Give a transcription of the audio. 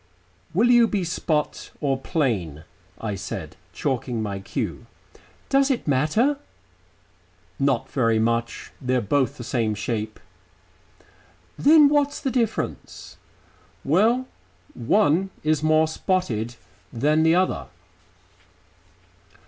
"Will you be spot or plain?" I said, chalking my cue. "Does it matter?" "Not very much. They're both the same shape." "Then what's the difference?" "Well, one is more spotted than the other."